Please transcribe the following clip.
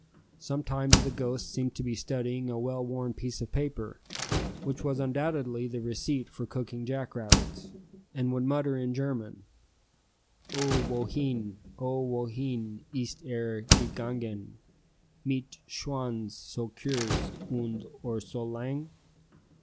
Sometimes the ghost seemed to be studying a well worn piece of paper, which was undoubtedly the receipt for cooking jackrabbits, and would mutter in German, "O wohene, O wohene ist er gegangen, mit Schwanz so kurz und Ohr so lang?